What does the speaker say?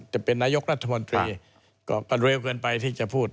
จะเป็นนายกรัฐมนตรีก็เร็วเกินไปที่จะพูด